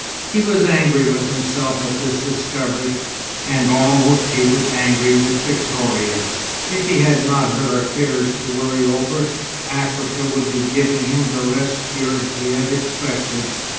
He was angry with himself at this discovery, and almost he was angry with Victoria. If he had not her affairs to worry over, Africa would be giving him the rest cure he had expected.